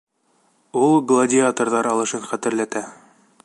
Ул гладиаторҙар алышын хәтерләтә.